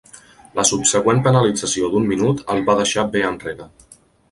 La subsegüent penalització d'un minut el va deixar bé enrere.